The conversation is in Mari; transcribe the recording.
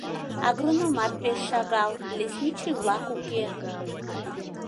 Агрономат пеш шагал, лесничий-влак уке.